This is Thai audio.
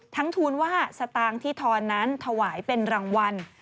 ทูลว่าสตางค์ที่ทอนนั้นถวายเป็นรางวัล